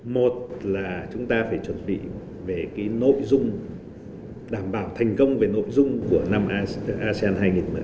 một là chúng ta phải chuẩn bị về cái nội dung đảm bảo thành công về nội dung của năm asean hai nghìn hai mươi